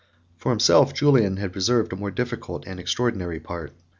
For himself Julian had reserved a more difficult and extraordinary part.